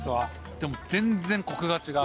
でも全然コクが違う。